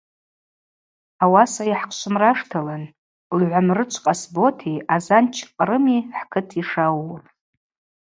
Ауаса йхӏхъшвымраштылын, Лгӏвамрычв Къасботи Азанч Кърыми хӏкыт йшауу.